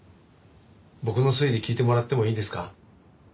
僕の推理聞いてもらってもいいですか？